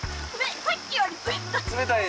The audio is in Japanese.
さっきより冷たい。